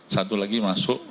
satu lagi masuk di icu